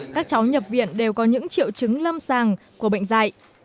các cháu nhập viện đều có những triệu chứng lâm sàng của bệnh dạy